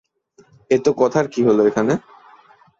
এত কথার কী হলো এখানে?